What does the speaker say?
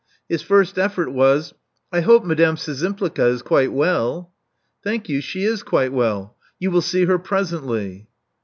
His first effort was: I hope Madame Szczympliga is quite well." Thank you, she is quite well. You will see her presently."